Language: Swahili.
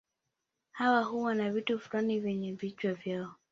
Hawa huwa na vitu fulani kwenye vichwa vyao